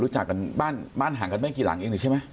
รู้จักกันบ้านบ้านห่างกันไม่กี่หลังเองนี่ใช่ไหม